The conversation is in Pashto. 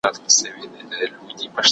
دوه ګيلاسه له يوه څخه زيات دي.